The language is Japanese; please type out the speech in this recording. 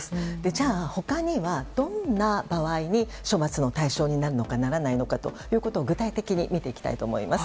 じゃあ、他にはどんな場合に処罰の対象になるのかならないのかを具体的に見ていきたいと思います。